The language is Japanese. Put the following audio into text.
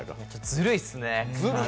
ずるいっすね。